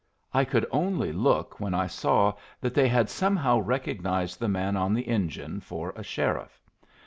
I could only look when I saw that they had somehow recognized the man on the engine for a sheriff.